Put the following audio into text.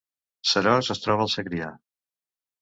Seròs es troba al Segrià